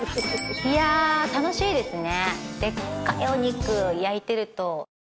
いやー楽しいですね